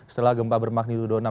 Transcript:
setelah gempa bermaknitudon enam dua